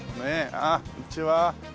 ああこんにちは。